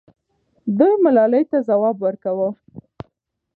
دوی ملالۍ ته ځواب ورکاوه.